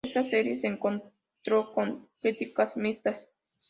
Esta serie se encontró con críticas mixtas.